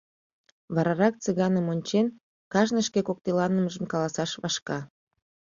Варарак, Цыганым ончен, кажне шке коктеланымыжым каласаш вашка: